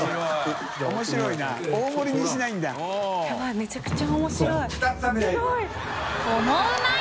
めちゃくちゃ面白い垢瓦ぁ任